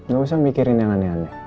gak usah mikirin yang aneh aneh